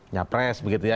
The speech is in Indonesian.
nyapres begitu ya